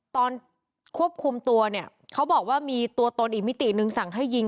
ตอนควบคุมตัวเนี่ยเขาบอกว่ามีตัวตนอีกมิติหนึ่งสั่งให้ยิง